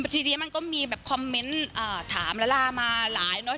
ทีนี้มันก็มีแบบคอมเมนต์ถามละลามาหลายเนอะ